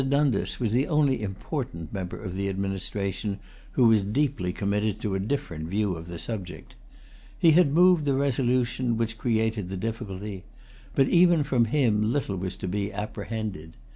Dundas was the only important member of the administration who was deeply committed to a different view of the subject. He had moved the resolution which created the difficulty; but even from him little was to be apprehended.